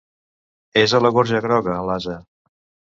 És a la gorga groga, l'ase.